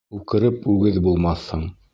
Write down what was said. Үкереп, үгеҙ булмаҫһың;